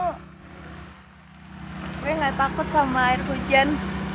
tapi nggak takut sama air hujan